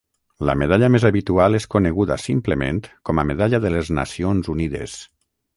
La medalla més habitual és coneguda simplement com a Medalla de les Nacions Unides.